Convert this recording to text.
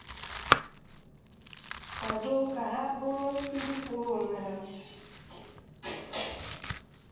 kwàdo ha ka ha bụrụ ndị kwụụrụ onwe ha